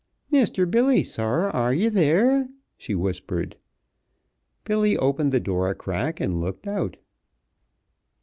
"Misther Billy, sor, are ye there?" she whispered. Billy opened the door a crack and looked out.